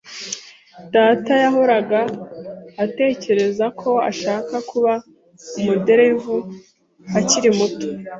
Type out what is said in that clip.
[S] Data yahoraga atekereza ko ashaka kuba umuderevu akiri muto.